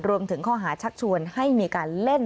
รวมถึงข้อหาชักชวนให้มีการเล่น